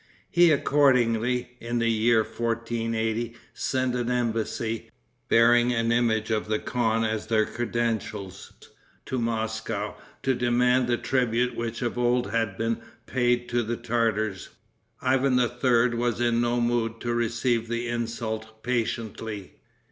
He accordingly, in the year 1480, sent an embassy, bearing an image of the khan as their credentials, to Moscow, to demand the tribute which of old had been paid to the Tartars. Ivan III. was in no mood to receive the insult patiently.